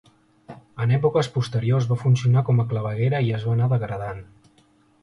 En èpoques posteriors va funcionar com a claveguera i es va anar degradant.